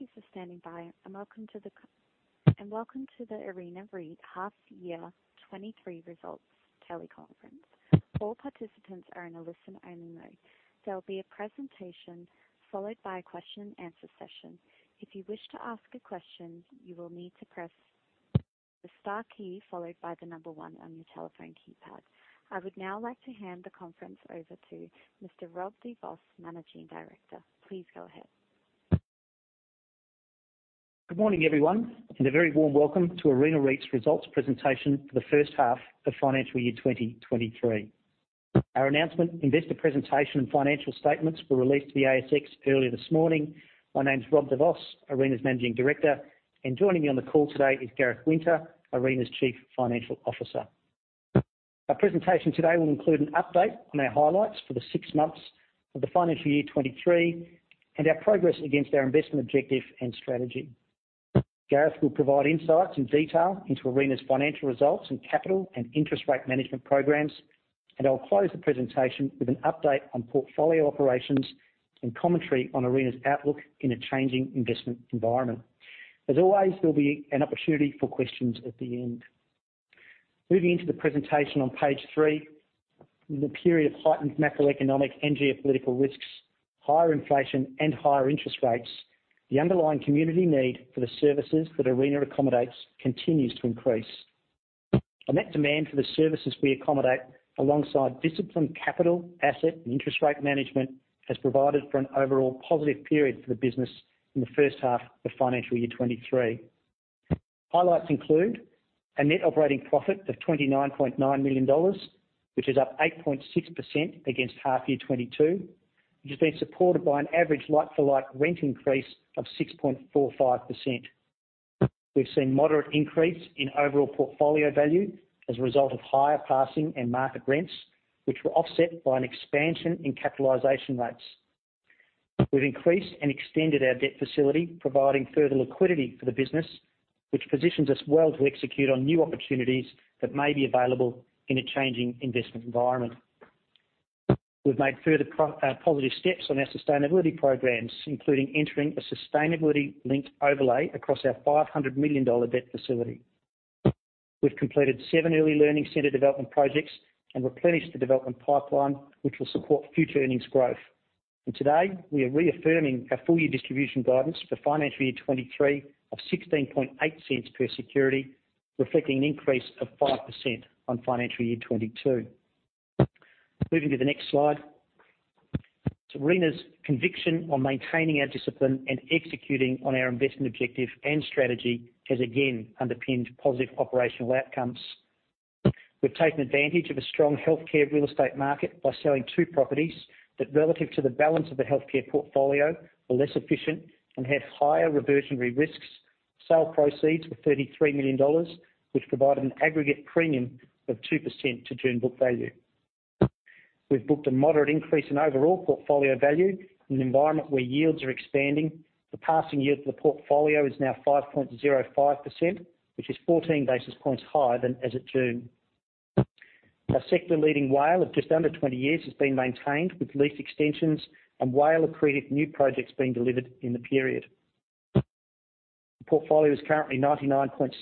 Thank you for standing by, and welcome to the Arena REIT Half Year 2023 Results Teleconference. All participants are in a listen-only mode. There will be a presentation followed by a question and answer session. If you wish to ask a question, you will need to press the star key followed by one on your telephone keypad. I would now like to hand the conference over to Mr. Rob de Vos, Managing Director. Please go ahead. Good morning, everyone. A very warm welcome to Arena REIT's results presentation for the first half of financial year 2023. Our announcement investor presentation and financial statements were released to the ASX earlier this morning. My name's Rob de Vos, Arena's Managing Director. Joining me on the call today is Gareth Winter, Arena's Chief Financial Officer. Our presentation today will include an update on our highlights for the six months of the financial year 2023. Our progress against our investment objective and strategy. Gareth will provide insights and detail into Arena's financial results and capital and interest rate management programs. I'll close the presentation with an update on portfolio operations and commentary on Arena's outlook in a changing investment environment. As always, there'll be an opportunity for questions at the end. Moving into the presentation on page three, in the period of heightened macroeconomic and geopolitical risks, higher inflation and higher interest rates, the underlying community need for the services that Arena accommodates continues to increase. A net demand for the services we accommodate alongside disciplined capital, asset, and interest rate management has provided for an overall positive period for the business in the first half of financial year 2023. Highlights include a net operating profit of 29.9 million dollars, which is up 8.6% against half year 2022, which has been supported by an average like-for-like rent increase of 6.45%. We've seen moderate increase in overall portfolio value as a result of higher passing and market rents, which were offset by an expansion in capitalization rates. We've increased and extended our debt facility, providing further liquidity for the business, which positions us well to execute on new opportunities that may be available in a changing investment environment. We've made further positive steps on our sustainability programs, including entering a sustainability-linked overlay across our 500 million dollar debt facility. We've completed seven early learning center development projects and replenished the development pipeline, which will support future earnings growth. Today, we are reaffirming our full-year distribution guidance for financial year 2023 of 0.168 per security, reflecting an increase of 5% on financial year 2022. Moving to the next slide. Arena's conviction on maintaining our discipline and executing on our investment objective and strategy has again underpinned positive operational outcomes. We've taken advantage of a strong healthcare real estate market by selling 2 properties that relative to the balance of the healthcare portfolio are less efficient and have higher reversionary risks. Sale proceeds were 33 million dollars, which provided an aggregate premium of 2% to June book value. We've booked a moderate increase in overall portfolio value in an environment where yields are expanding. The passing yield for the portfolio is now 5.05%, which is 14 basis points higher than as at June. Our sector-leading WALE of just under 20 years has been maintained with lease extensions and WALE accreted new projects being delivered in the period. The portfolio is currently 99.6%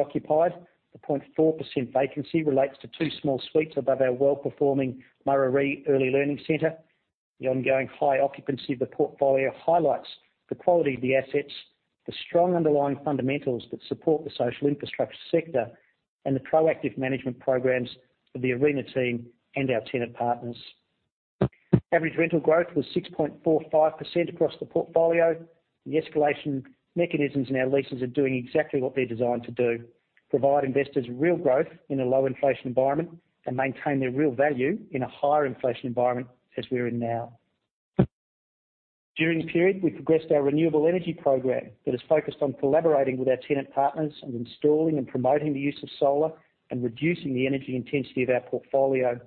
occupied. The 0.4% vacancy relates to two small suites above our well-performing Murarrie Early Learning Center. The ongoing high occupancy of the portfolio highlights the quality of the assets, the strong underlying fundamentals that support the social infrastructure sector, and the proactive management programs of the Arena team and our tenant partners. Average rental growth was 6.45% across the portfolio. The escalation mechanisms in our leases are doing exactly what they're designed to do, provide investors real growth in a low inflation environment and maintain their real value in a higher inflation environment as we are in now. During the period, we progressed our renewable energy program that is focused on collaborating with our tenant partners and installing and promoting the use of solar and reducing the energy intensity of our portfolio.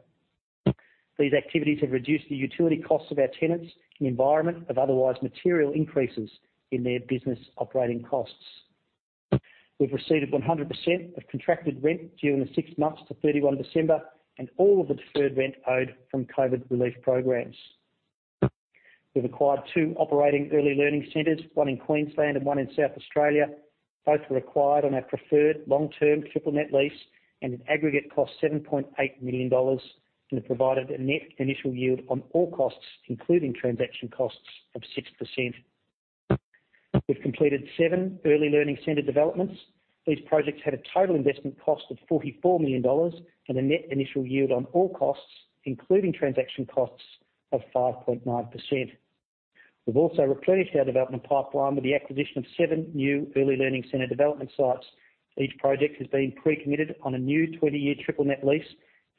These activities have reduced the utility costs of our tenants in the environment of otherwise material increases in their business operating costs. We've received 100% of contracted rent during the six months to 31 December and all of the deferred rent owed from COVID relief programs. We've acquired two operating early learning centers, one in Queensland and one in South Australia. Both were acquired on our preferred long-term triple net lease and at aggregate cost 7.8 million dollars and have provided a net initial yield on all costs, including transaction costs of 6%. We've completed seven early learning center developments. These projects had a total investment cost of 44 million dollars and a net initial yield on all costs, including transaction costs of 5.9%. We've also replenished our development pipeline with the acquisition of seven new early learning center development sites. Each project has been pre-committed on a new 20-year triple net lease,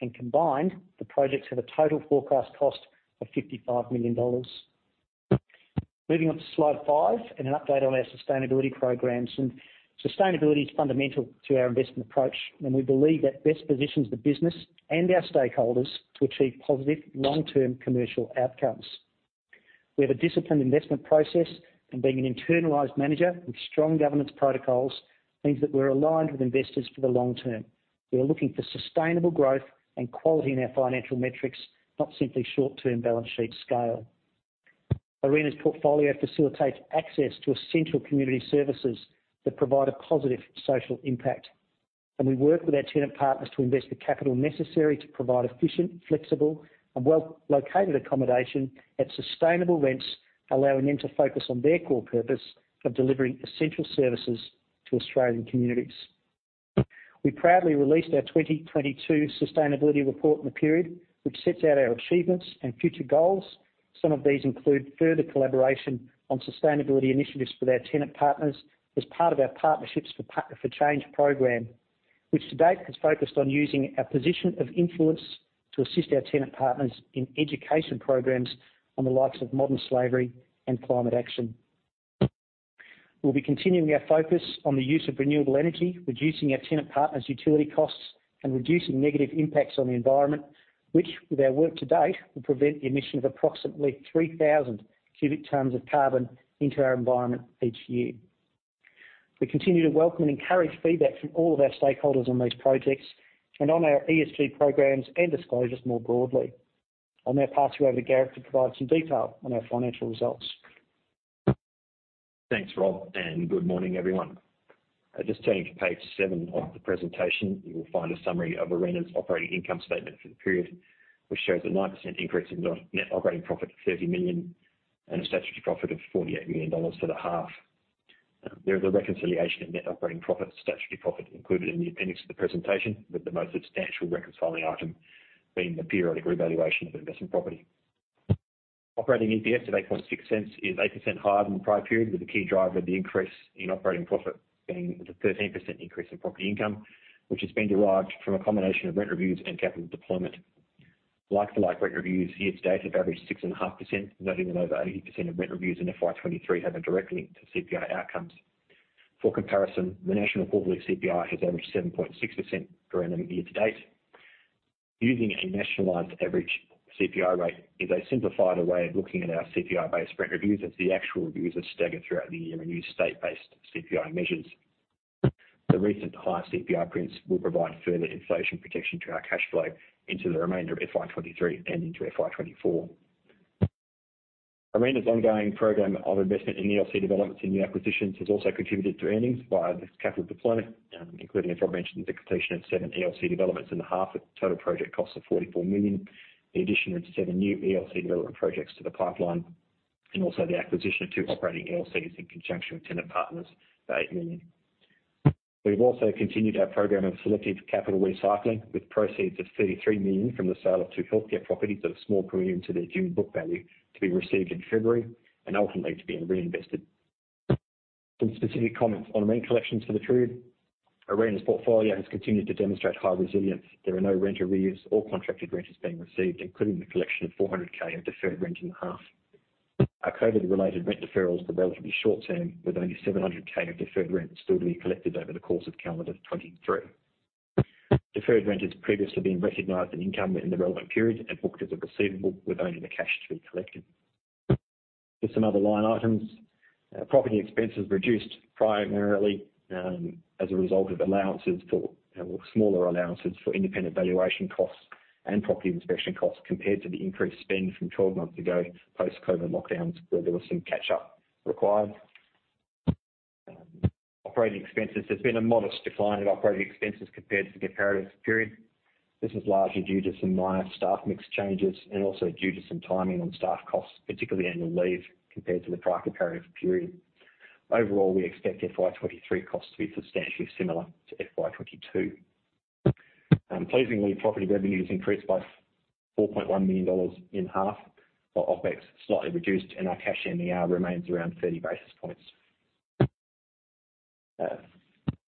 and combined, the projects have a total forecast cost of 55 million dollars. Moving on to slide five and an update on our sustainability programs. Sustainability is fundamental to our investment approach, and we believe that best positions the business and our stakeholders to achieve positive long-term commercial outcomes. We have a disciplined investment process, and being an internalized manager with strong governance protocols means that we're aligned with investors for the long term. We are looking for sustainable growth and quality in our financial metrics, not simply short-term balance sheet scale. Arena's portfolio facilitates access to essential community services that provide a positive social impact. We work with our tenant partners to invest the capital necessary to provide efficient, flexible, and well-located accommodation at sustainable rents, allowing them to focus on their core purpose of delivering essential services to Australian communities. We proudly released our 2022 sustainability report in the period, which sets out our achievements and future goals. Some of these include further collaboration on sustainability initiatives with our tenant partners as part of our Partnerships for Change program, which to date has focused on using our position of influence to assist our tenant partners in education programs on the likes of modern slavery and climate action. We'll be continuing our focus on the use of renewable energy, reducing our tenant partners' utility costs, and reducing negative impacts on the environment, which with our work to date, will prevent the emission of approximately 3,000 cubic tons of carbon into our environment each year. We continue to welcome and encourage feedback from all of our stakeholders on these projects and on our ESG programs and disclosures more broadly. I'll now pass you over to Gareth to provide some detail on our financial results. Thanks, Rob. Good morning, everyone. Just turning to page seven of the presentation, you will find a summary of Arena's operating income statement for the period, which shows a 9% increase in the net operating profit to 30 million and a statutory profit of 48 million dollars for the half. There is a reconciliation of net operating profit, statutory profit included in the appendix of the presentation, with the most substantial reconciling item being the periodic revaluation of investment property. Operating EPS of 0.086 is 8% higher than the prior period, with the key driver of the increase in operating profit being the 13% increase in property income, which has been derived from a combination of rent reviews and capital deployment. Like-for-like rent reviews year to date have averaged 6.5%, noting that over 80% of rent reviews in FY 2023 have a direct link to CPI outcomes. For comparison, the national quarterly CPI has averaged 7.6% during the year to date. Using a nationalized average CPI rate is a simplified way of looking at our CPI-based rent reviews, as the actual reviews are staggered throughout the year and use state-based CPI measures. The recent high CPI prints will provide further inflation protection to our cash flow into the remainder of FY 2023 and into FY 2024. Arena's ongoing program of investment in ELC developments in new acquisitions has also contributed to earnings via this capital deployment, including, as Rob mentioned, the completion of seven ELC developments in the half at total project costs of 44 million. The addition of seven new ELC development projects to the pipeline and also the acquisition of two operating ELCs in conjunction with tenant partners for 8 million. We've also continued our program of selective capital recycling, with proceeds of 33 million from the sale of two healthcare properties at a small premium to their June book value to be received in February and ultimately to being reinvested. Some specific comments on rent collections for the period. Arena's portfolio has continued to demonstrate high resilience. There are no rent arrears, all contracted rent is being received, including the collection of 400K of deferred rent in the half. Our COVID-related rent deferrals were relatively short-term, with only 700K of deferred rent still to be collected over the course of calendar 2023. Deferred rent is previously being recognized in income in the relevant period and booked as a receivable, with only the cash to be collected. Just some other line items. Property expenses reduced primarily as a result of allowances for, or smaller allowances for independent valuation costs and property inspection costs compared to the increased spend from 12 months ago post-COVID lockdowns, where there was some catch-up required. Operating expenses. There's been a modest decline in operating expenses compared to the comparative period. This is largely due to some minor staff mix changes and also due to some timing on staff costs, particularly annual leave, compared to the prior comparative period. Overall, we expect FY23 costs to be substantially similar to FY22. Pleasingly, property revenues increased by 4.1 million dollars in half, while OpEx slightly reduced and our cash in the hour remains around 30 basis points.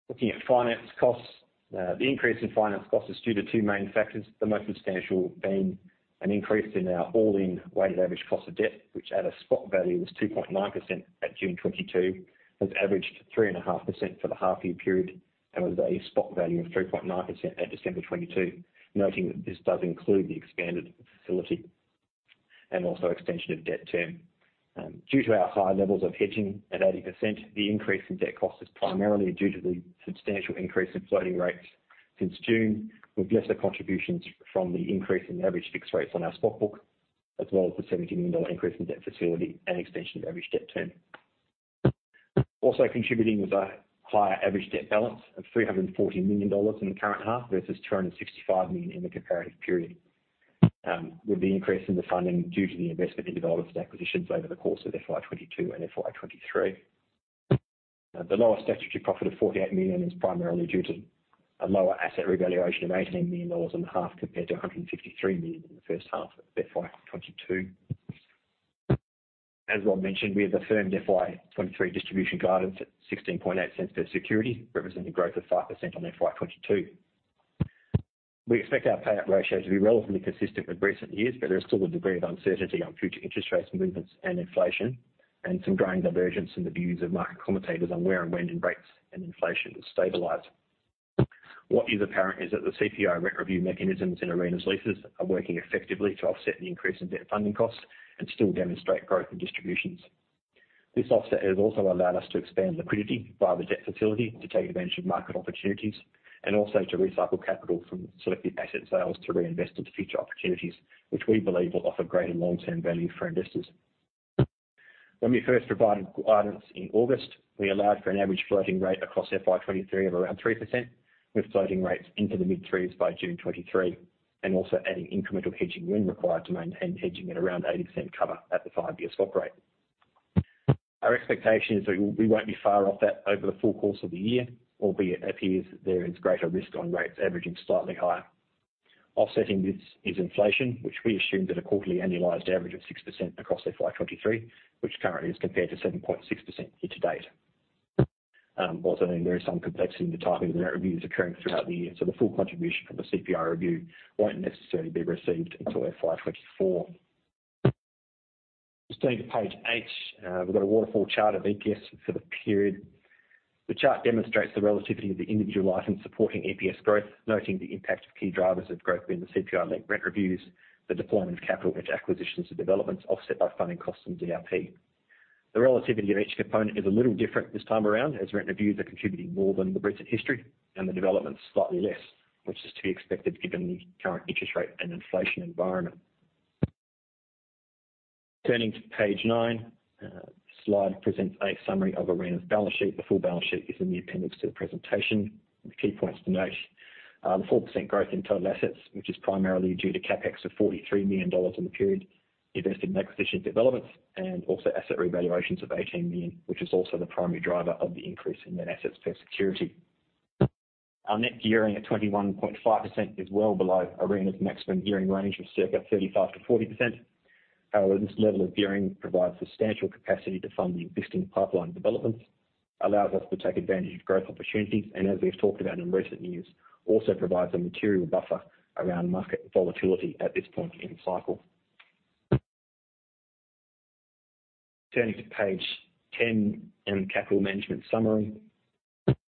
Looking at finance costs. The increase in finance costs is due to two main factors. The most substantial being an increase in our all-in weighted average cost of debt, which at a spot value was 2.9% at June 2022, has averaged 3.5% for the half year period, and was a spot value of 3.9% at December 2022. Noting that this does include the expanded facility and also extension of debt term. Due to our high levels of hedging at 80%, the increase in debt cost is primarily due to the substantial increase in floating rates since June, with lesser contributions from the increase in average fixed rates on our spot book, as well as the 17 million dollar increase in debt facility and extension of average debt term. Contributing was a higher average debt balance of 340 million dollars in the current half, versus 265 million in the comparative period. The increase in the funding due to the investment in development acquisitions over the course of FY2022 and FY2023. The lower statutory profit of 48 million is primarily due to a lower asset revaluation of 18 million dollars in the half, compared to 153 million in the first half of FY22. As Rob mentioned, we have affirmed FY 2023 distribution guidance at 0.168 per security, representing growth of 5% on FY 2022. We expect our payout ratio to be relatively consistent with recent years, but there is still a degree of uncertainty on future interest rates movements and inflation, and some growing divergence in the views of market commentators on where and when in rates and inflation will stabilize. What is apparent is that the CPI rent review mechanisms in Arena's leases are working effectively to offset the increase in debt funding costs and still demonstrate growth in distributions. This offset has also allowed us to expand liquidity via the debt facility to take advantage of market opportunities, and also to recycle capital from selective asset sales to reinvest into future opportunities, which we believe will offer greater long-term value for investors. When we first provided guidance in August, we allowed for an average floating rate across FY2023 of around 3%, with floating rates into the mid-3s by June 2023, and also adding incremental hedging when required to maintain hedging at around 80% cover at the five-year swap rate. Our expectation is that we won't be far off that over the full course of the year, albeit it appears there is greater risk on rates averaging slightly higher. Offsetting this is inflation, which we assume at a quarterly annualized average of 6% across FY2023, which currently is compared to 7.6% year-to-date. Also, there is some complexity in the timing of the rent reviews occurring throughout the year. The full contribution from the CPI review won't necessarily be received until FY2024. Proceeding to page eight. We've got a waterfall chart of EPS for the period. The chart demonstrates the relativity of the individual license supporting EPS growth, noting the impact of key drivers of growth in the CPI-linked rent reviews, the deployment of capital into acquisitions and developments offset by funding costs and DRP. The relativity of each component is a little different this time around, as rent reviews are contributing more than the recent history and the development slightly less, which is to be expected given the current interest rate and inflation environment. Turning to page nine. The slide presents a summary of Arena's balance sheet. The full balance sheet is in the appendix to the presentation. The key points to note are the 4% growth in total assets, which is primarily due to CapEx of 43 million dollars in the period invested in acquisition developments and also asset revaluations of 18 million, which is also the primary driver of the increase in net assets per security. Our net gearing at 21.5% is well below Arena's maximum gearing range of circa 35%-40%. However, this level of gearing provides substantial capacity to fund the existing pipeline developments, allows us to take advantage of growth opportunities, and as we've talked about in recent years, also provides a material buffer around market volatility at this point in the cycle. Turning to page 10 and capital management summary.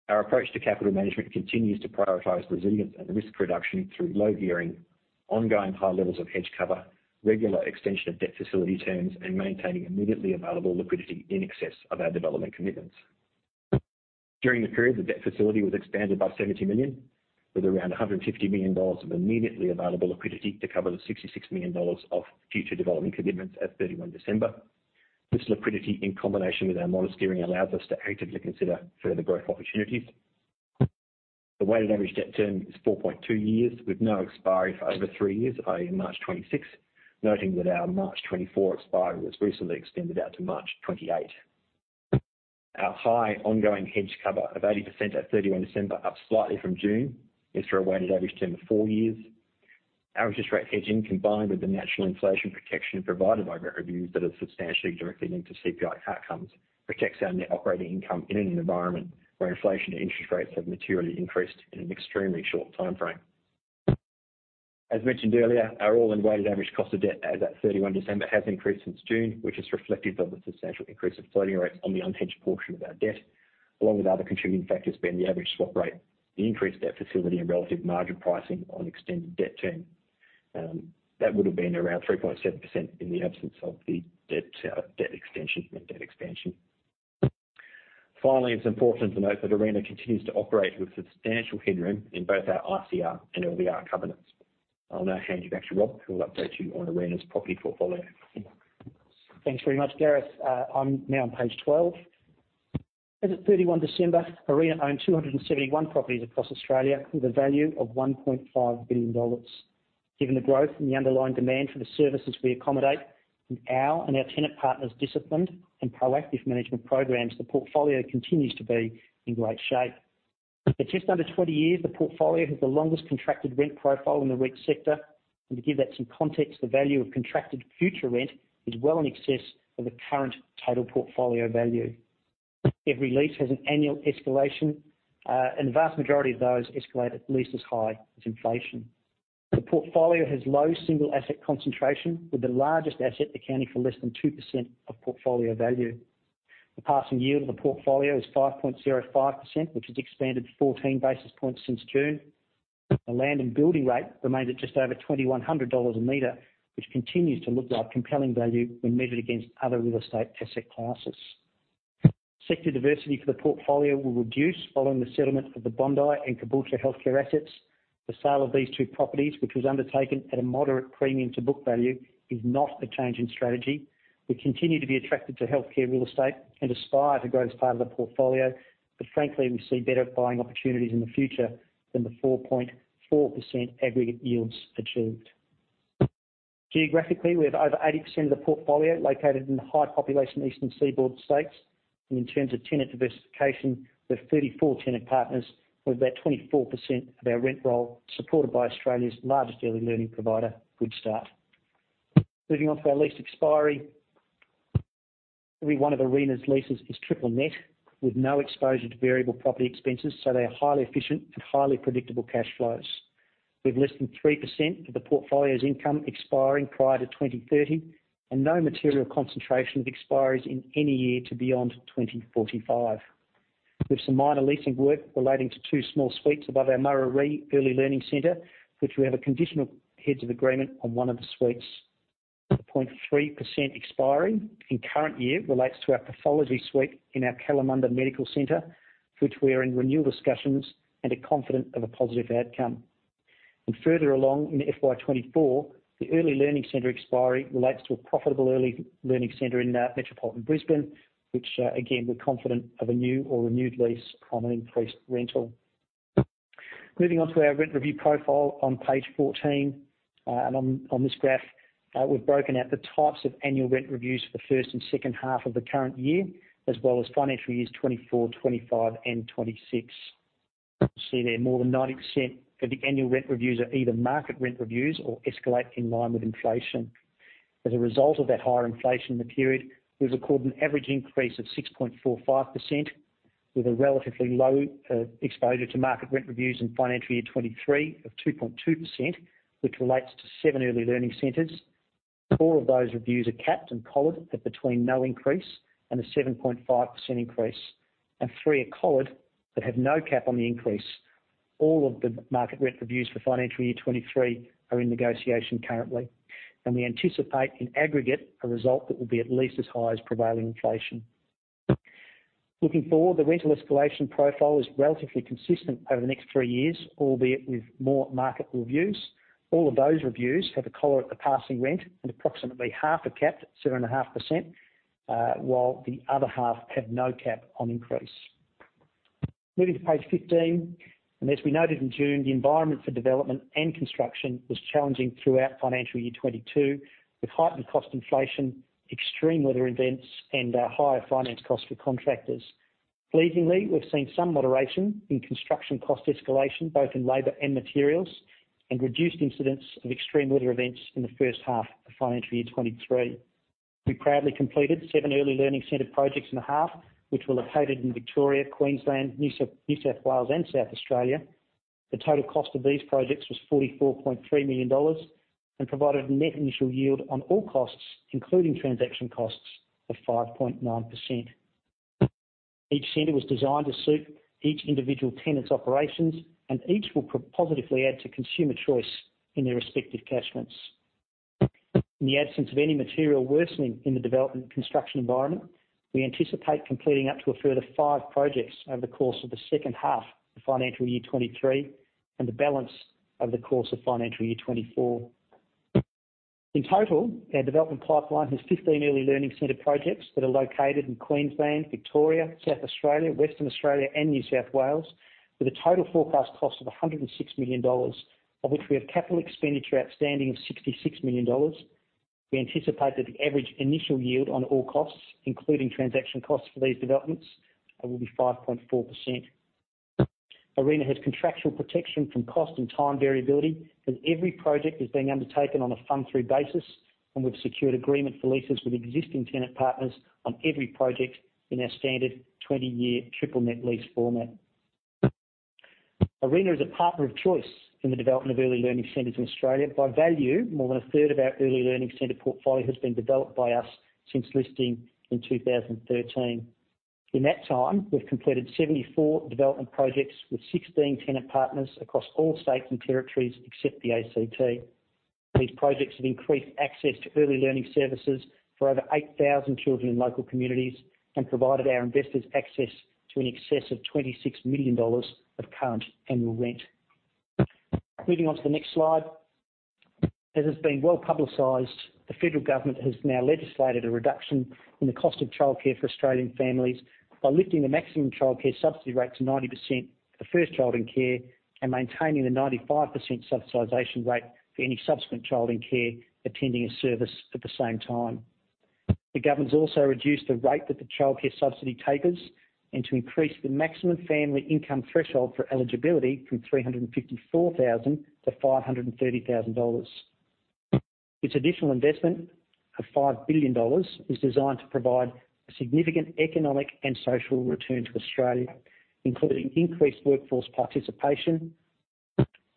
Our approach to capital management continues to prioritize resilience and risk reduction through low gearing, ongoing high levels of hedge cover, regular extension of debt facility terms, and maintaining immediately available liquidity in excess of our development commitments. During the period, the debt facility was expanded by 70 million, with around 150 million dollars of immediately available liquidity to cover the 66 million dollars of future development commitments at 31 December. This liquidity, in combination with our modest gearing, allows us to actively consider further growth opportunities. The weighted average debt term is 4.2 years, with no expiry for over three years, i.e., March 2026, noting that our March 2024 expiry was recently extended out to March 2028. Our high ongoing hedge cover of 80% at 31 December, up slightly from June, is for a weighted average term of four years. Average interest rate hedging, combined with the natural inflation protection provided by rent reviews that are substantially directly linked to CPI outcomes, protects our net operating income in an environment where inflation and interest rates have materially increased in an extremely short timeframe. As mentioned earlier, our all-in weighted average cost of debt as at 31 December has increased since June, which is reflective of the substantial increase of floating rates on the untended portion of our debt, along with other contributing factors being the average swap rate, the increased debt facility, and relative margin pricing on extended debt term. That would have been around 3.7% in the absence of the debt extension and debt expansion. Finally, it's important to note that Arena continues to operate with substantial headroom in both our ICR and LVR covenants. I'll now hand you back to Rob, who will update you on Arena's property portfolio. Thanks very much, Gareth. I'm now on page 12. As at 31 December, Arena owned 271 properties across Australia with a value of 1.5 billion dollars. Given the growth in the underlying demand for the services we accommodate and our tenant partners' disciplined and proactive management programs, the portfolio continues to be in great shape. At just under 20 years, the portfolio has the longest contracted rent profile in the REIT sector, and to give that some context, the value of contracted future rent is well in excess of the current total portfolio value. Every lease has an annual escalation, and the vast majority of those escalate at least as high as inflation. The portfolio has low single asset concentration, with the largest asset accounting for less than 2% of portfolio value. The passing yield of the portfolio is 5.05%, which has expanded 14 basis points since June. The land and building rate remains at just over 2,100 dollars a meter, which continues to look like compelling value when measured against other real estate asset classes. Sector diversity for the portfolio will reduce following the settlement of the Bondi and Caboolture healthcare assets. The sale of these two properties, which was undertaken at a moderate premium to book value, is not a change in strategy. We continue to be attracted to healthcare real estate and aspire to grow as part of the portfolio, but frankly, we see better buying opportunities in the future than the 4.4% aggregate yields achieved. Geographically, we have over 80% of the portfolio located in the high population eastern seaboard states. In terms of tenant diversification, we have 34 tenant partners, with about 24% of our rent roll supported by Australia's largest early learning provider, Goodstart. Moving on to our lease expiry. Every one of Arena's leases is triple net with no exposure to variable property expenses. They are highly efficient and highly predictable cash flows. We have less than 3% of the portfolio's income expiring prior to 2030 and no material concentration of expiries in any year to beyond 2045. With some minor leasing work relating to two small suites above our Murarrie Early Learning Center, which we have a conditional heads of agreement on one of the suites. 0.3% expiring in current year relates to our pathology suite in our Kalamunda Medical Center, which we are in renewal discussions and are confident of a positive outcome. Further along in FY 2024, the early learning center expiry relates to a profitable early learning center in metropolitan Brisbane, which again, we're confident of a new or renewed lease on an increased rental. Moving on to our rent review profile on page 14. On this graph, we've broken out the types of annual rent reviews for the first and second half of the current year as well as financial years 2024, 2025, and 2026. You see there more than 90% of the annual rent reviews are either market rent reviews or escalate in line with inflation. As a result of that higher inflation in the period, we've recorded an average increase of 6.45% with a relatively low exposure to market rent reviews in financial year 23 of 2.2%, which relates to seven early learning centers. Four of those reviews are capped and collared at between no increase and a 7.5% increase, and three are collared but have no cap on the increase. All of the market rent reviews for financial year 23 are in negotiation currently, and we anticipate in aggregate a result that will be at least as high as prevailing inflation. Looking forward, the rental escalation profile is relatively consistent over the next three years, albeit with more market reviews. All of those reviews have a collar at the passing rent, and approximately half are capped at 7.5%, while the other half have no cap on increase. Moving to page 15, as we noted in June, the environment for development and construction was challenging throughout financial year 2022 with heightened cost inflation, extreme weather events, and higher finance costs for contractors. Pleasingly, we've seen some moderation in construction cost escalation, both in labor and materials, and reduced incidents of extreme weather events in the first half of financial year 2023. We proudly completed seven early learning center projects in the half, which were located in Victoria, Queensland, New South Wales, and South Australia. The total cost of these projects was 44.3 million dollars and provided net initial yield on all costs, including transaction costs, of 5.9%. Each center was designed to suit each individual tenant's operations. Each will pro- positively add to consumer choice in their respective catchments. In the absence of any material worsening in the development and construction environment, we anticipate completing up to a further five projects over the course of the second half of financial year 2023 and the balance over the course of financial year 2024. In total, our development pipeline has 15 early learning center projects that are located in Queensland, Victoria, South Australia, Western Australia, and New South Wales, with a total forecast cost of 106 million dollars, of which we have CapEx outstanding of 66 million dollars. We anticipate that the average initial yield on all costs, including transaction costs for these developments, will be 5.4%. Arena has contractual protection from cost and time variability as every project is being undertaken on a fund through basis. We've secured agreement for leases with existing tenant partners on every project in our standard 20-year triple net lease format. Arena is a partner of choice in the development of early learning centers in Australia. By value, more than a third of our early learning center portfolio has been developed by us since listing in 2013. In that time, we've completed 74 development projects with 16 tenant partners across all states and territories, except the ACT. These projects have increased access to early learning services for over 8,000 children in local communities and provided our investors access to in excess of 26 million dollars of current annual rent. Moving on to the next slide. As has been well-publicized, the federal government has now legislated a reduction in the cost of childcare for Australian families by lifting the maximum Child Care Subsidy rate to 90% for the first child in care and maintaining the 95% subsidization rate for any subsequent child in care attending a service at the same time. The government's also reduced the rate that the Child Care Subsidy tapers and to increase the maximum family income threshold for eligibility from 354,000 to 530,000 dollars. Its additional investment of 5 billion dollars is designed to provide a significant economic and social return to Australia, including increased workforce participation,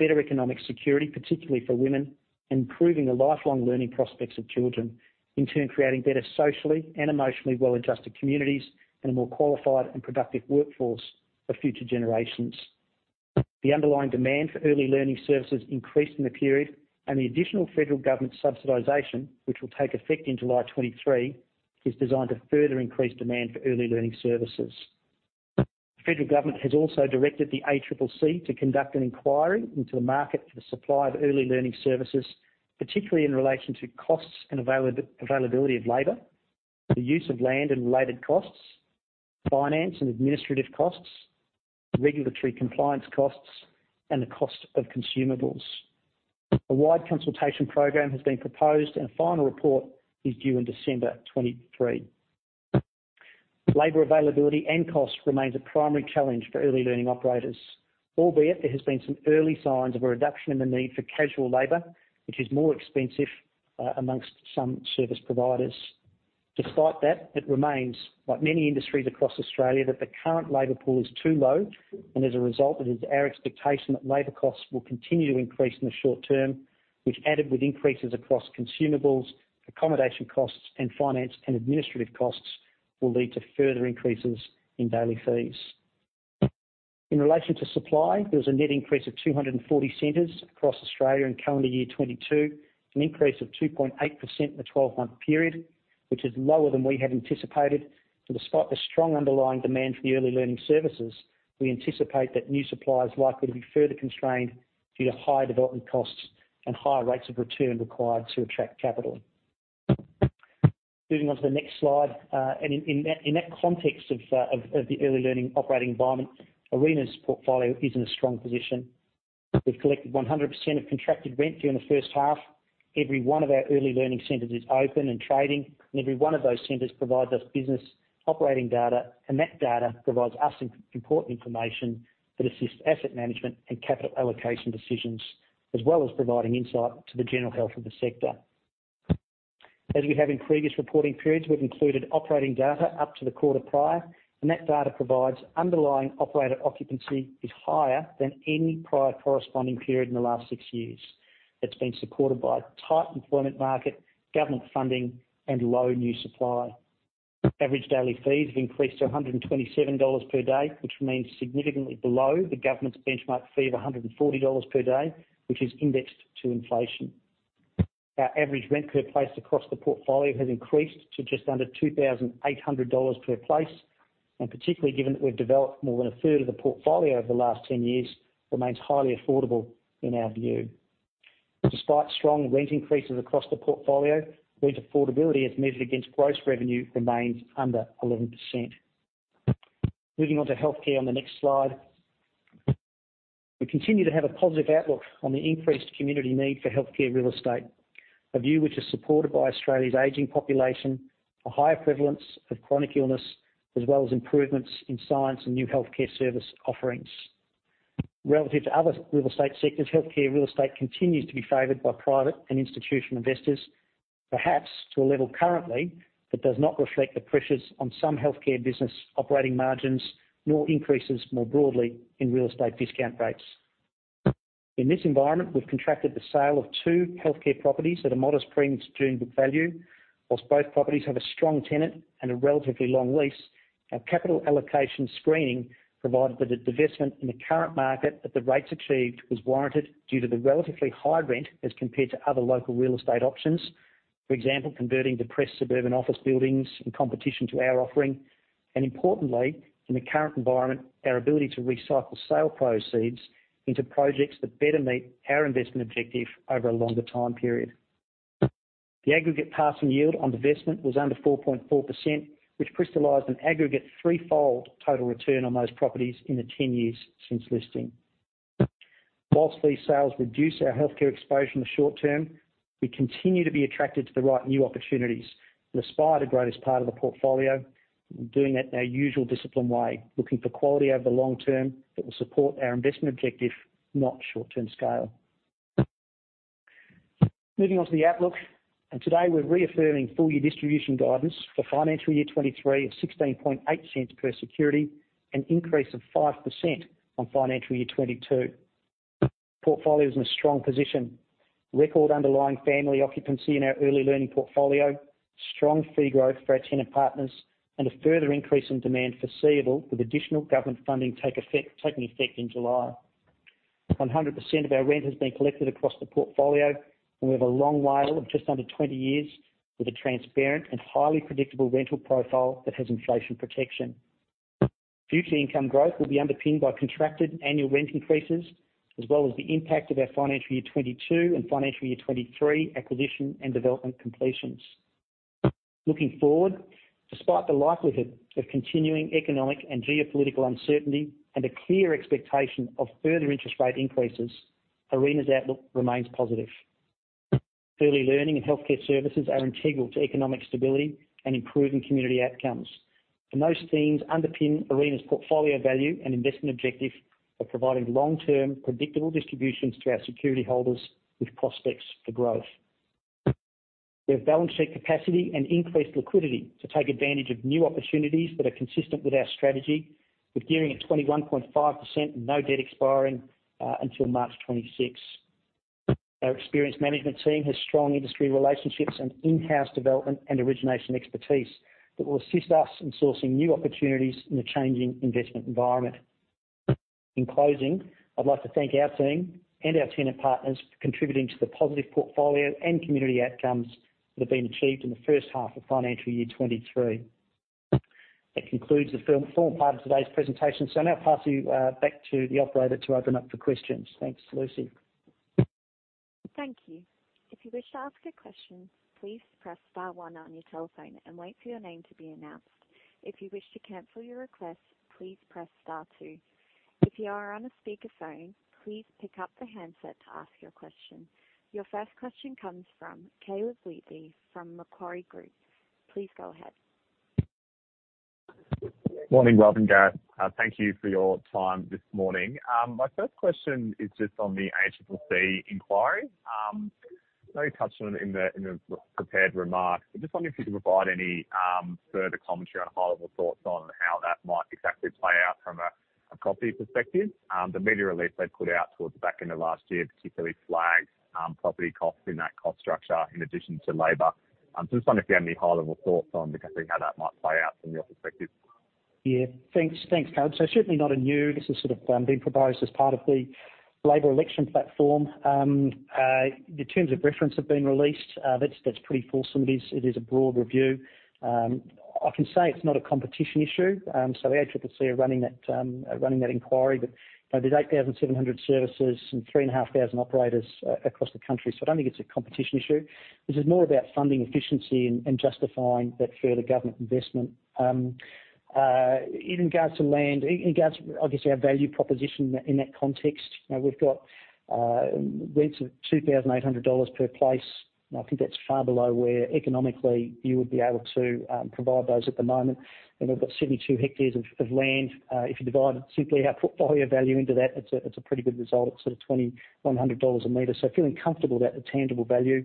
better economic security, particularly for women, and improving the lifelong learning prospects of children, in turn creating better socially and emotionally well-adjusted communities and a more qualified and productive workforce for future generations. The underlying demand for early learning services increased in the period and the additional federal government subsidization, which will take effect in July 2023, is designed to further increase demand for early learning services. The federal government has also directed the ACCC to conduct an inquiry into the market for the supply of early learning services, particularly in relation to costs and availability of labor, the use of land and related costs, finance and administrative costs, regulatory compliance costs, and the cost of consumables. A wide consultation program has been proposed and a final report is due in December 2023. Labor availability and cost remains a primary challenge for early learning operators, albeit there has been some early signs of a reduction in the need for casual labor, which is more expensive, amongst some service providers. Despite that, it remains, like many industries across Australia, that the current labor pool is too low and as a result, it is our expectation that labor costs will continue to increase in the short term, which added with increases across consumablesAccommodation costs and finance and administrative costs will lead to further increases in daily fees. In relation to supply, there was a net increase of 240 centers across Australia in calendar year 2022, an increase of 2.8% in the twelve-month period, which is lower than we had anticipated. Despite the strong underlying demand for the early learning services, we anticipate that new supply is likely to be further constrained due to higher development costs and higher rates of return required to attract capital. Moving on to the next slide. In that context of the early learning operating environment, Arena's portfolio is in a strong position. We've collected 100% of contracted rent during the first half. Every one of our early learning centers is open and trading. Every one of those centers provides us business operating data. That data provides us important information that assists asset management and capital allocation decisions, as well as providing insight to the general health of the sector. As we have in previous reporting periods, we've included operating data up to the quarter prior. That data provides underlying operator occupancy is higher than any prior corresponding period in the last six years. It's been supported by tight employment market, government funding, and low new supply. Average daily fees have increased to 127 dollars per day, which remains significantly below the government's benchmark fee of 140 dollars per day, which is indexed to inflation. Our average rent per place across the portfolio has increased to just under 2,800 dollars per place, and particularly given that we've developed more than a third of the portfolio over the last 10 years, remains highly affordable in our view. Despite strong rent increases across the portfolio, rent affordability as measured against gross revenue remains under 11%. Moving on to healthcare on the next slide. We continue to have a positive outlook on the increased community need for healthcare real estate, a view which is supported by Australia's aging population, a higher prevalence of chronic illness, as well as improvements in science and new healthcare service offerings. Relative to other real estate sectors, healthcare real estate continues to be favored by private and institutional investors, perhaps to a level currently that does not reflect the pressures on some healthcare business operating margins, nor increases more broadly in real estate discount rates. In this environment, we've contracted the sale of two healthcare properties at a modest premium to June book value. Whilst both properties have a strong tenant and a relatively long lease, our capital allocation screening provided that a divestment in the current market at the rates achieved was warranted due to the relatively high rent as compared to other local real estate options. For example, converting depressed suburban office buildings and competition to our offering, and importantly, in the current environment, our ability to recycle sale proceeds into projects that better meet our investment objective over a longer time period. The aggregate passing yield on divestment was under 4.4%, which crystallized an aggregate three-fold total return on those properties in the 10 years since listing. Whilst these sales reduce our healthcare exposure in the short term, we continue to be attracted to the right new opportunities and aspire to grow as part of the portfolio. We're doing it in our usual disciplined way, looking for quality over the long term that will support our investment objective, not short-term scale. Moving on to the outlook, today we're reaffirming full-year distribution guidance for financial year 2023 of 0.168 per security, an increase of 5% on financial year 2022. Portfolio is in a strong position. Record underlying family occupancy in our early learning portfolio, strong fee growth for our tenant partners, and a further increase in demand foreseeable with additional government funding taking effect in July. 100% of our rent has been collected across the portfolio and we have a long WALE of just under 20 years with a transparent and highly predictable rental profile that has inflation protection. Future income growth will be underpinned by contracted annual rent increases as well as the impact of our financial year 2022 and financial year 2023 acquisition and development completions. Looking forward, despite the likelihood of continuing economic and geopolitical uncertainty and a clear expectation of further interest rate increases, Arena's outlook remains positive. Early learning and healthcare services are integral to economic stability and improving community outcomes. Those themes underpin Arena's portfolio value and investment objective of providing long-term predictable distributions to our security holders with prospects for growth. We have balance sheet capacity and increased liquidity to take advantage of new opportunities that are consistent with our strategy, with gearing at 21.5% and no debt expiring until March 2026. Our experienced management team has strong industry relationships and in-house development and origination expertise that will assist us in sourcing new opportunities in the changing investment environment. In closing, I'd like to thank our team and our tenant partners for contributing to the positive portfolio and community outcomes that have been achieved in the first half of financial year 2023. That concludes the formal part of today's presentation. I now pass you back to the operator to open up for questions. Thanks, Lucy. Thank you. If you wish to ask a question, please press star one on your telephone and wait for your name to be announced. If you wish to cancel your request, please press star two. If you are on a speaker phone, please pick up the handset to ask your question. Your first question comes from Caleb Wheatley from Macquarie Group. Please go ahead. Good morning. Welcome, Gareth. Thank you for your time this morning. My first question is just on the ACCC inquiry. I know you touched on it in the, in the prepared remarks, but just wondering if you could provide any further commentary on high level thoughts on how that might exactly play out from a. A property perspective. The media release they put out towards the back end of last year, particularly flagged property costs in that cost structure in addition to labor. Just wondering if you have any high level thoughts on, I guess, how that might play out from your perspective. Thanks. Thanks, Caleb. Certainly this is sort of being proposed as part of the Labor election platform. The terms of reference have been released. That's pretty fulsome. It is a broad review. I can say it's not a competition issue. ACCC are running that inquiry. There's 8,700 services and 3,500 operators across the country. I don't think it's a competition issue. This is more about funding efficiency and justifying that further government investment. In regards, obviously, our value proposition in that context, you know, we've got rents of 2,800 dollars per place. I think that's far below where economically you would be able to provide those at the moment. We've got 72 hectares of land. If you divide it simply our portfolio value into that, it's a pretty good result. It's sort of 2,100 dollars a meter. Feeling comfortable about the tangible value,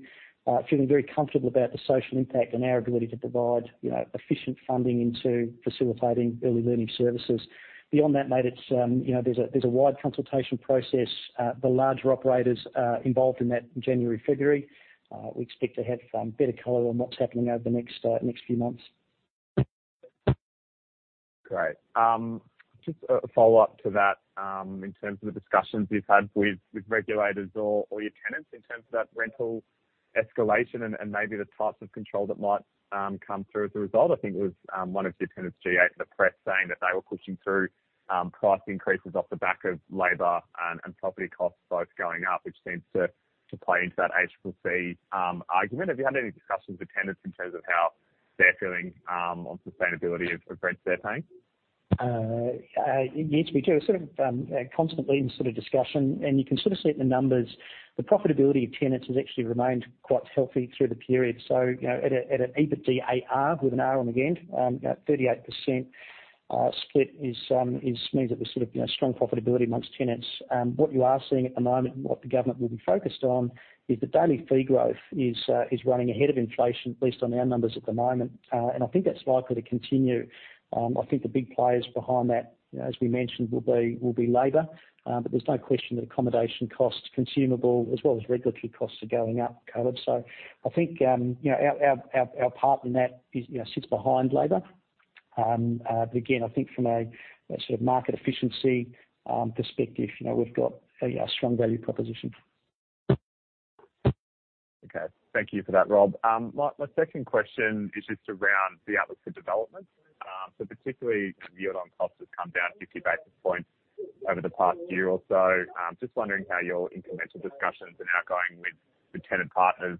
feeling very comfortable about the social impact and our ability to provide, you know, efficient funding into facilitating early learning services. Beyond that, mate, it's, you know, there's a wide consultation process. The larger operators are involved in that January, February. We expect to have better color on what's happening over the next few months. Great. Just a follow-up to that, in terms of the discussions you've had with regulators or your tenants in terms of that rental escalation and maybe the types of control that might come through as a result. I think it was one of your tenants, G8, in the press saying that they were pushing through price increases off the back of labor and property costs both going up, which seems to play into that ACCC argument. Have you had any discussions with tenants in terms of how they're feeling on sustainability of rents they're paying? Yes, we do. Sort of, constantly in sort of discussion, and you can sort of see it in the numbers. The profitability of tenants has actually remained quite healthy through the period. You know, at a, at an EBITDAR, 38% split means that we're sort of, you know, strong profitability amongst tenants. What you are seeing at the moment and what the government will be focused on is the daily fee growth is running ahead of inflation based on our numbers at the moment. I think that's likely to continue. I think the big players behind that, you know, as we mentioned, will be labor, but there's no question that accommodation costs, consumable as well as regulatory costs are going up, Caleb. I think, you know, our part in that is, you know, sits behind labor. Again, I think from a sort of market efficiency, perspective, you know, we've got a strong value proposition. Okay. Thank you for that, Rob. My second question is just around the outlook for development. Particularly, yield on cost has come down 50 basis points over the past year or so. Just wondering how your incremental discussions are now going with the tenant partners,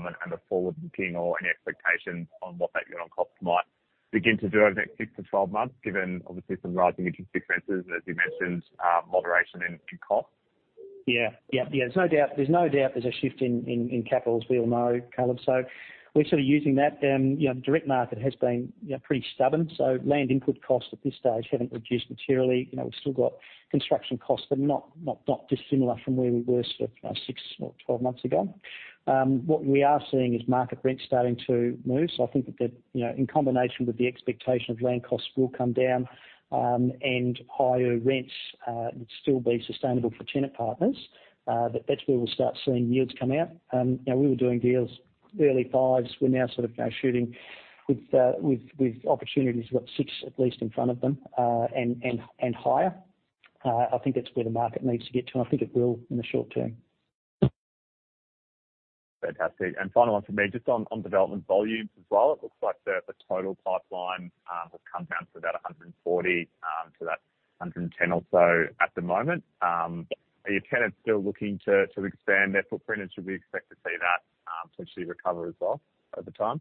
and the forward-looking or any expectations on what that yield on cost might begin to do over the next six to 12 months, given obviously some rising interest expenses, as you mentioned, moderation in cost. Yeah. Yeah. Yeah, there's no doubt there's a shift in capitals. We all know, Caleb. We're sort of using that. you know, direct market has been, you know, pretty stubborn. Land input costs at this stage haven't reduced materially. You know, we've still got construction costs that are not dissimilar from where we were sort of, you know, six or 12 months ago. What we are seeing is market rents starting to move. I think that, you know, in combination with the expectation of land costs will come down, and higher rents would still be sustainable for tenant partners. That's where we'll start seeing yields come out. you know, we were doing deals early five's. We're now sort of, you know, shooting with opportunities, we've got six at least in front of them, and higher. I think that's where the market needs to get to, and I think it will in the short term. Fantastic. Final one for me, just on development volumes as well. It looks like the total pipeline, has come down to about 140 to that 110 or so at the moment. Are your tenants still looking to expand their footprint? Should we expect to see that potentially recover as well over time?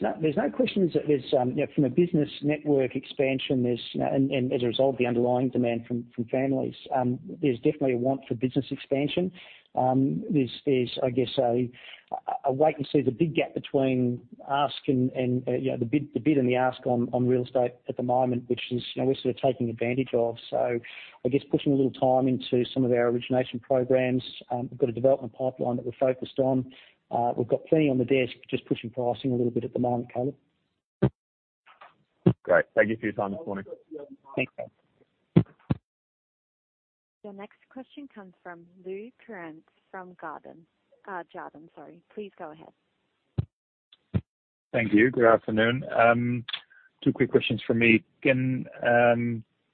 There's no, there's no question that there's, you know, from a business network expansion, there's, you know, and as a result, the underlying demand from families. There's definitely a want for business expansion. There's, I guess, a wait and see the big gap between ask and, you know, the bid and the ask on real estate at the moment, which is, you know, we're sort of taking advantage of. I guess putting a little time into some of our origination programs. We've got a development pipeline that we're focused on. We've got plenty on the desk, just pushing pricing a little bit at the moment, Caleb. Great. Thank you for your time this morning. Thanks. Your next question comes from Lou Pirenc from Jarden, sorry. Please go ahead. Thank you. Good afternoon. Two quick questions from me. Can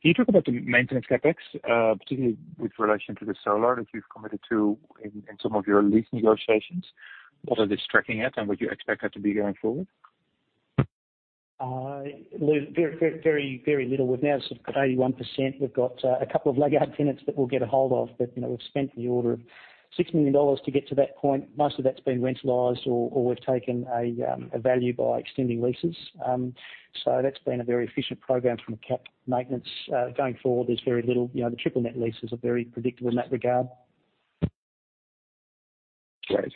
you talk about the maintenance CapEx, particularly with relation to the solar that you've committed to in some of your lease negotiations? What are they tracking at, and would you expect that to be going forward? Lou, very, very, very, very little. We've now sort of got 81%. We've got a couple of leg out tenants that we'll get a hold of. You know, we've spent in the order of 6 million dollars to get to that point. Most of that's been rentalized or we've taken a value by extending leases. That's been a very efficient program from a cap maintenance. Going forward, there's very little, you know, the triple net leases are very predictable in that regard. Great.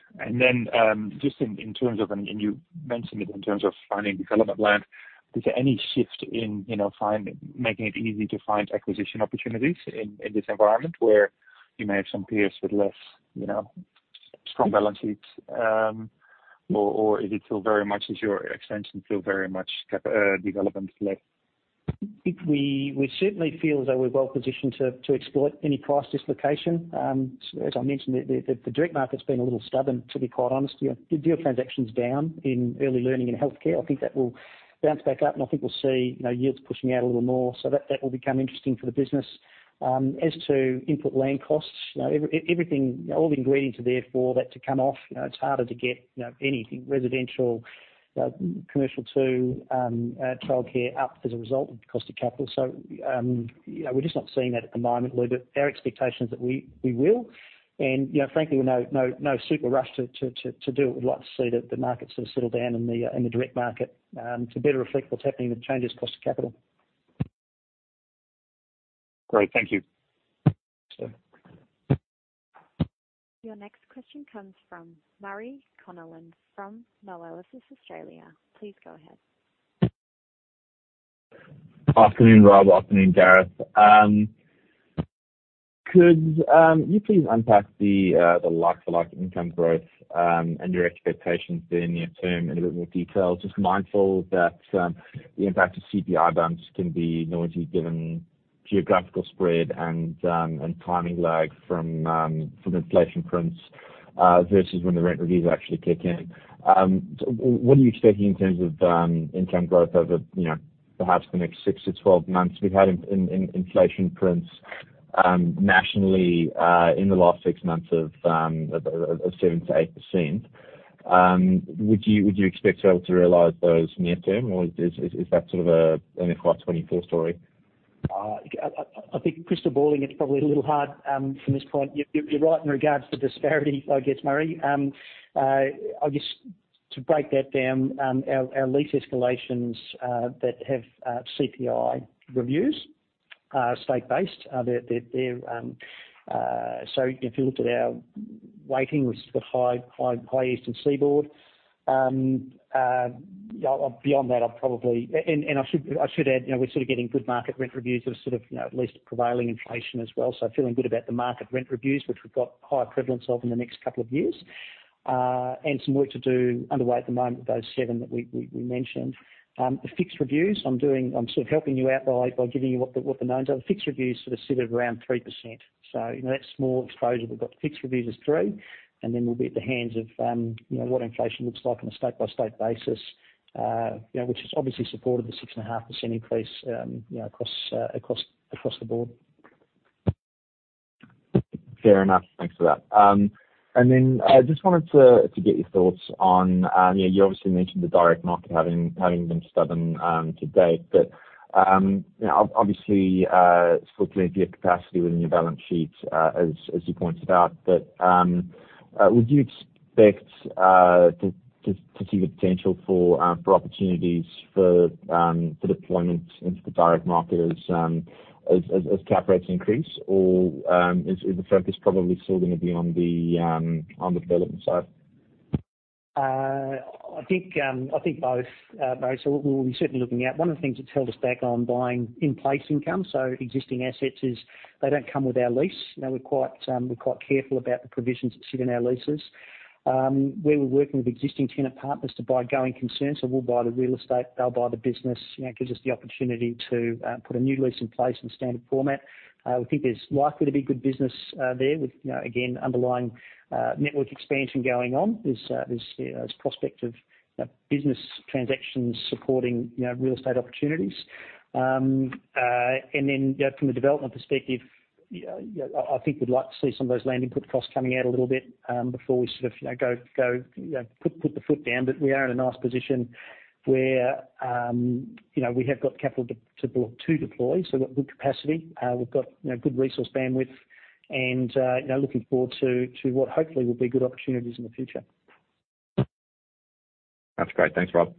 Just in terms of, and you mentioned it in terms of finding development land, is there any shift in, you know, making it easy to find acquisition opportunities in this environment where you may have some peers with less, you know? Strong balance sheets, or is it still very much is your extension still very much development led? I think we certainly feel as though we're well-positioned to exploit any price dislocation. As I mentioned, the direct market's been a little stubborn, to be quite honest. Deal transaction's down in early learning and healthcare. I think that will bounce back up, and I think we'll see, you know, yields pushing out a little more. That will become interesting for the business. As to input land costs, you know, everything all the ingredients are there for that to come off. You know, it's harder to get, you know, anything residential, commercial to childcare up as a result of the cost of capital. You know, we're just not seeing that at the moment, Lou, but our expectation is that we will and, you know, frankly, with no super rush to do it. We'd like to see the markets sort of settle down in the direct market to better reflect what's happening with changes in cost of capital. Great. Thank you. Sure. Your next question comes from Murray Connellan from Nomura Australia. Please go ahead. Afternoon, Rob. Afternoon, Gareth. Could you please unpack the like-for-like income growth and your expectations there near term in a bit more detail? Just mindful that the impact of CPI bumps can be noisy given geographical spread and timing lag from inflation prints versus when the rent reviews actually kick in. What are you expecting in terms of income growth over, you know, perhaps the next six-12 months? We've had inflation prints nationally in the last six months of 7%-8%. Would you expect to be able to realize those near term, or is that sort of an FY 2024 story? I think crystal balling it's probably a little hard from this point. You're right in regards to disparity, I guess, Murray. I guess to break that down, our lease escalations that have CPI reviews are state-based. They're, you know, if you looked at our weighting, which is the high eastern seaboard, you know, beyond that, I'd probably. I should add, you know, we're sort of getting good market rent reviews that are sort of, you know, at least prevailing inflation as well. Feeling good about the market rent reviews, which we've got higher prevalence of in the next couple of years, and some work to do underway at the moment with those seven that we mentioned. The fixed reviews I'm sort of helping you out by giving you what the knowns are. The fixed reviews sort of sit at around 3%. You know, that small exposure we've got to fixed reviews is three, and then we'll be at the hands of, you know, what inflation looks like on a state-by-state basis, you know, which has obviously supported the 6.5% increase, you know, across the board. Fair enough. Thanks for that. Then I just wanted to get your thoughts on, you know, you obviously mentioned the direct market having been stubborn, to date. You know, obviously, still plenty of capacity within your balance sheet, as you pointed out. Would you expect to see the potential for opportunities for deployment into the direct market as cap rates increase? Is the focus probably still gonna be on the development side? I think both, Murray. We'll be certainly looking out. One of the things that's held us back on buying in-place income, so existing assets is they don't come with our lease. You know, we're quite careful about the provisions that sit in our leases. Where we're working with existing tenant partners to buy going concerns, so we'll buy the real estate, they'll buy the business, you know, it gives us the opportunity to put a new lease in place in standard format. We think there's likely to be good business there with, you know, again, underlying network expansion going on. There's, you know, there's prospect of, you know, business transactions supporting, you know, real estate opportunities. You know, from a development perspective, you know, I think we'd like to see some of those land input costs coming out a little bit, before we sort of, you know, go, you know, put the foot down. We are in a nice position where, you know, we have got capital to deploy, so we've got good capacity. We've got, you know, good resource bandwidth and, you know, looking forward to what hopefully will be good opportunities in the future. That's great. Thanks, Rob.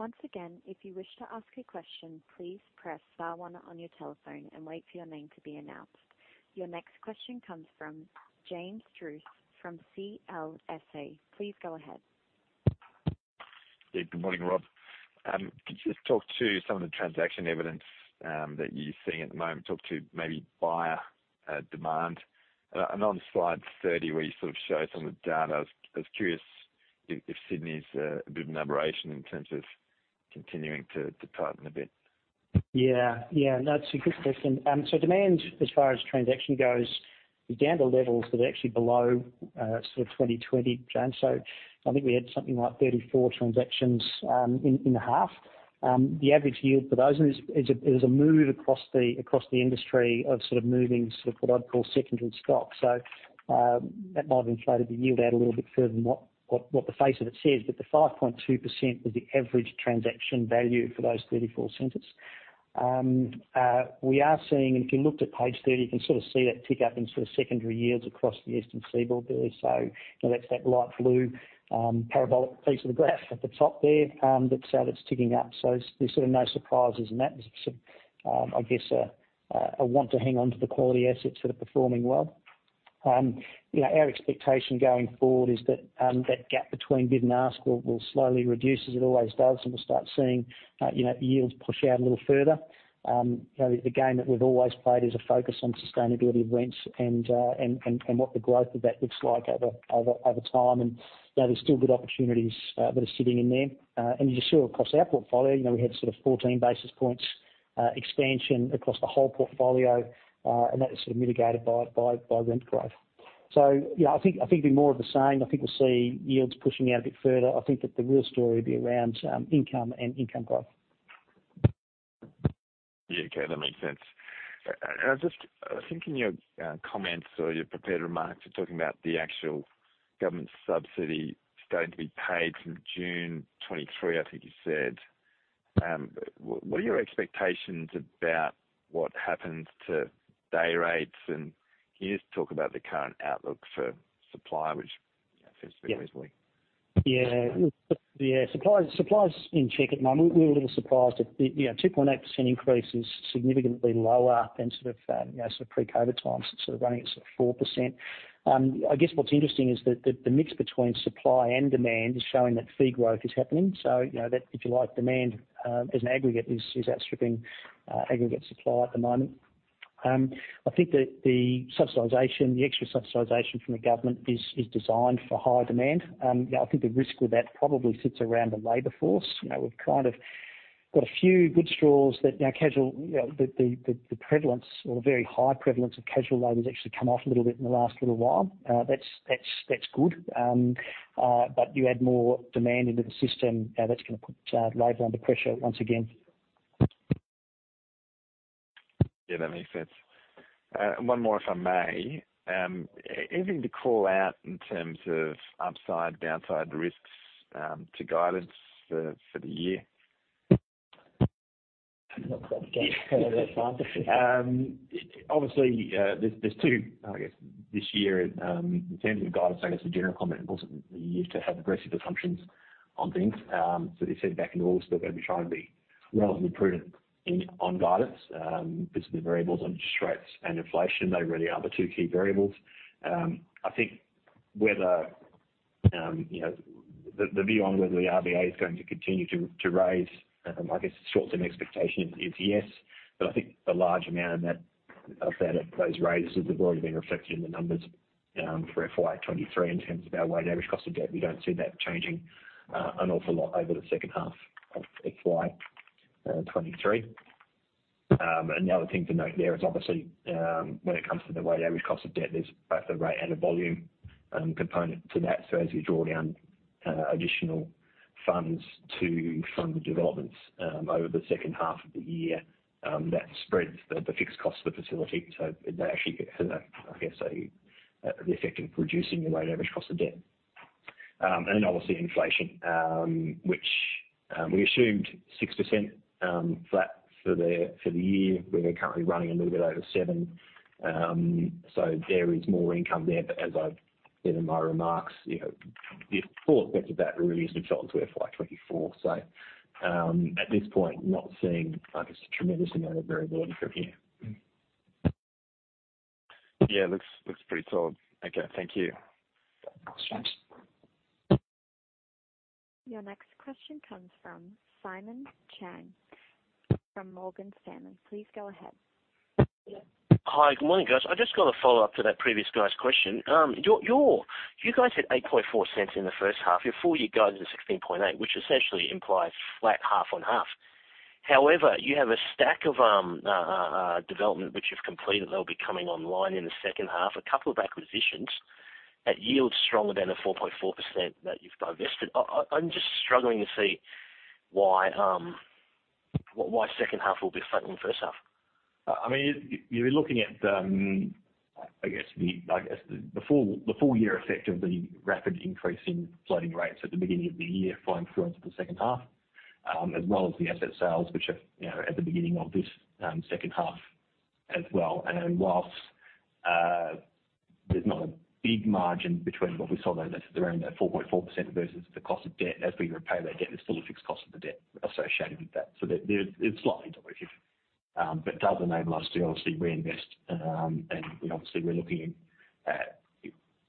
Once again, if you wish to ask a question, please press star one on your telephone and wait for your name to be announced. Your next question comes from James Druce from CLSA. Please go ahead. Yeah. Good morning, Rob. Could you just talk to some of the transaction evidence that you're seeing at the moment? Talk to maybe buyer demand. On slide 30 where you sort of show some of the data, I was curious if Sydney's a bit of an aberration in terms of continuing to tighten a bit. Yeah. Yeah. No, it's a good question. Demand as far as transaction goes is down to levels that are actually below 2020, James. I think we had something like 34 transactions in the half. The average yield for those, it was a move across the industry of moving what I'd call secondary stock. That might have inflated the yield out a little bit further than what the face of it says. The 5.2% was the average transaction value for those 34 centers. We are seeing, if you looked at page 30, you can sort of see that tick up in secondary yields across the eastern seaboard there. You know, that's that light blue parabolic piece of the graph at the top there, that's ticking up. There's sort of no surprises in that. There's sort of, I guess a want to hang on to the quality assets that are performing well. You know, our expectation going forward is that that gap between bid and ask will slowly reduce as it always does, and we'll start seeing, you know, the yields push out a little further. You know, the game that we've always played is a focus on sustainability of rents and what the growth of that looks like over time. You know, there's still good opportunities that are sitting in there. You just saw across our portfolio, you know, we had sort of 14 basis points expansion across the whole portfolio, and that is sort of mitigated by rent growth. You know, I think it'd be more of the same. I think we'll see yields pushing out a bit further. I think that the real story will be around income and income growth. Yeah, okay, that makes sense. I was thinking your comments or your prepared remarks, you're talking about the actual government subsidy starting to be paid from June 2023, I think you said. What are your expectations about what happens to day rates? Can you just talk about the current outlook for supply, which, you know, feels a bit? Yeah. Wobbly. Supply is in check at the moment. We're a little surprised that the, you know, 2.8% increase is significantly lower than sort of, you know, sort of pre-COVID times. It's sort of running at sort of 4%. I guess what's interesting is that the mix between supply and demand is showing that fee growth is happening. You know that, if you like, demand as an aggregate is outstripping aggregate supply at the moment. I think that the subsidization, the extra subsidization from the government is designed for higher demand. You know, I think the risk with that probably sits around the labor force. You know, we've kind of got a few good straws that, you know, casual, you know, the, the prevalence or the very high prevalence of casual labor has actually come off a little bit in the last little while. That's good. You add more demand into the system, that's gonna put labor under pressure once again. Yeah, that makes sense. One more, if I may. Anything to call out in terms of upside, downside risks, to guidance for the year? Obviously, there's two, I guess, this year, in terms of guidance. I guess the general comment, we used to have aggressive assumptions on things. As you said, back in August, we're gonna be trying to be relatively prudent on guidance because of the variables on interest rates and inflation. They really are the two key variables. I think whether, you know, the view on whether the RBA is going to continue to raise, I guess the short-term expectation is yes. I think the large amount of that those raises have already been reflected in the numbers for FY 2023 in terms of our weighted average cost of debt. We don't see that changing an awful lot over the second half of FY 2023. Another thing to note there is obviously, when it comes to the weighted average cost of debt, there's both the rate and the volume component to that. As we draw down additional funds to fund the developments over the second half of the year, that spreads the fixed cost of the facility. That actually has a, I guess a, the effect of reducing your weighted average cost of debt. Then obviously inflation, which we assumed 6% flat for the year. We are currently running a little bit over 7%. There is more income there, but as I've said in my remarks, you know, the full effect of that really isn't felt until FY 2024. At this point, not seeing, I guess, a tremendous amount of variability from here. Yeah. Looks pretty solid. Okay. Thank you. No problems. Your next question comes from Simon Chan from Morgan Stanley. Please go ahead. Hi. Good morning, guys. I just got a follow-up to that previous guy's question. You guys had 0.084 in the first half. Your full year goes to 0.168, which essentially implies flat half on half. However, you have a stack of development which you've completed that'll be coming online in the second half, a couple of acquisitions at yields stronger than the 4.4% that you've divested. I'm just struggling to see why second half will be flat on first half. I mean, you're looking at, I guess the full year effect of the rapid increase in floating rates at the beginning of the year flowing through into the second half, as well as the asset sales, which are, you know, at the beginning of this, second half as well. Whilst there's not a big margin between what we sold those assets around at 4.4% versus the cost of debt as we repay that debt, there's still a fixed cost of the debt associated with that. It's slightly dilutive, but it does enable us to obviously reinvest. We obviously we're looking at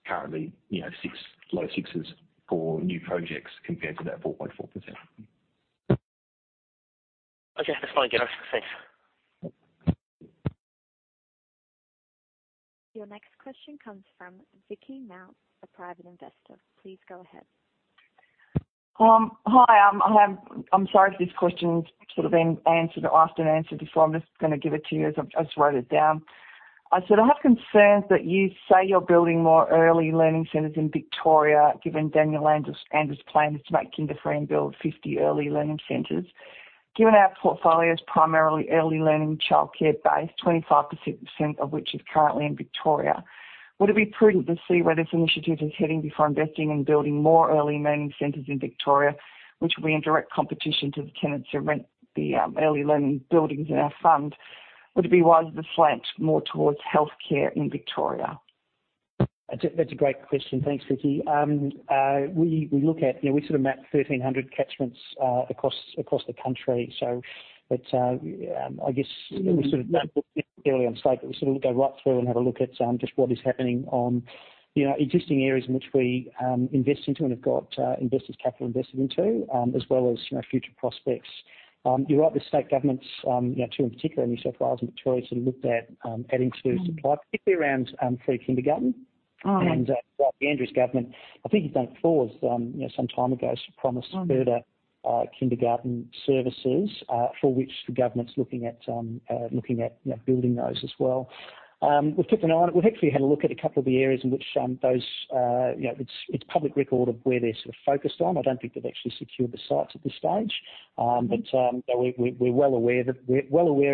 currently, you know, six, low sixes for new projects compared to that 4.4%. Okay. That's fine, guys. Thanks. Your next question comes from Vicky Mount, a private investor. Please go ahead. Hi. I'm sorry if this question's sort of been answered or asked and answered before. I'm just gonna give it to you as I've wrote it down. I said I have concerns that you say you're building more early learning centers in Victoria, given Daniel Andrews' plan is to make kinder free and build 50 early learning centers. Given our portfolio is primarily early learning childcare based, 25% of which is currently in Victoria, would it be prudent to see where this initiative is heading before investing in building more early learning centers in Victoria, which will be in direct competition to the tenants who rent the early learning buildings in our fund? Would it be wiser to slant more towards healthcare in Victoria? That's a great question. Thanks, Vicky. We look at, you know, we sort of map 1,300 catchments across the country. I guess we sort of earlier on state, but we sort of go right through and have a look at just what is happening on, you know, existing areas in which we invest into and have got investors' capital invested into as well as, you know, future prospects. You're right, the state governments, you know, two in particular, New South Wales and Victoria, sort of looked at adding to supply, particularly around free kindergarten. Oh, okay. The Andrews Government, I think it was Dan Fols, you know, some time ago promised further kindergarten services for which the Government's looking at, you know, building those as well. We've kept an eye on it. We've actually had a look at a couple of the areas in which those, you know, it's public record of where they're sort of focused on. I don't think they've actually secured the sites at this stage. We're well aware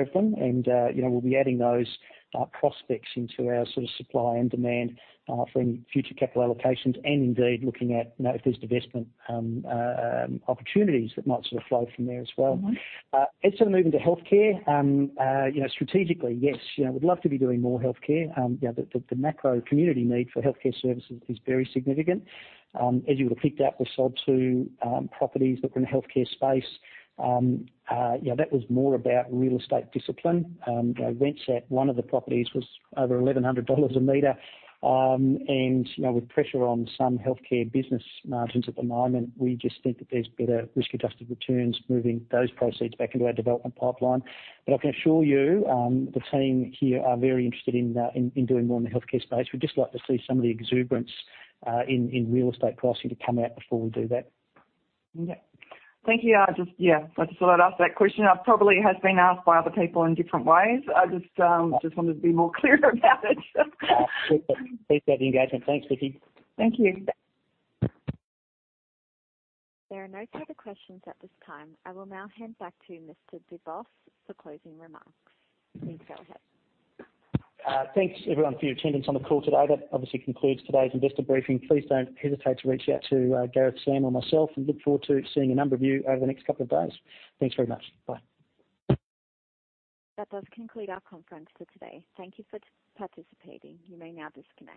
of them and, you know, we'll be adding those prospects into our sort of supply and demand for any future capital allocations and indeed looking at, you know, if there's divestment opportunities that might sort of flow from there as well. Mm-hmm. Sort of moving to healthcare, you know, strategically, yes, you know, we'd love to be doing more healthcare. You know, the macro community need for healthcare services is very significant. As you would have picked up, we sold two properties that were in the healthcare space. You know, that was more about real estate discipline. You know, rent at one of the properties was over 1,100 dollars a meter. And, you know, with pressure on some healthcare business margins at the moment, we just think that there's better risk-adjusted returns moving those proceeds back into our development pipeline. I can assure you, the team here are very interested in doing more in the healthcare space. We'd just like to see some of the exuberance in real estate pricing to come out before we do that. Okay. Thank you. I just thought I'd ask that question. It probably has been asked by other people in different ways. I just wanted to be more clear about it. Appreciate the engagement. Thanks, Vicky. Thank you. There are no further questions at this time. I will now hand back to Mr. de Vos for closing remarks. Please go ahead. Thanks everyone for your attendance on the call today. That obviously concludes today's investor briefing. Please don't hesitate to reach out to Gareth Winter or myself. Look forward to seeing a number of you over the next couple of days. Thanks very much. Bye. That does conclude our conference for today. Thank you for participating. You may now disconnect.